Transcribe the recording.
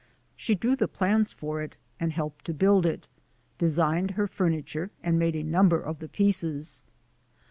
She drew the plans for it and helped to build it; designed her furniture and made a number of the pieces.